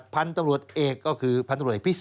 พันธุรกิจเอกก็คือพันธุรกิจเอกพิเศษ